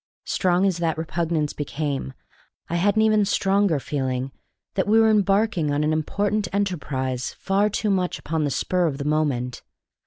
Strong as that repugnance became, I had an even stronger feeling that we were embarking on an important enterprise far too much upon the spur of the moment.